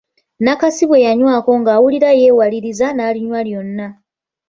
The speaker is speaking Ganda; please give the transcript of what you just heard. Nakasi bwe yanywako ng’awulira yeewaliriza naalinywa lyonna.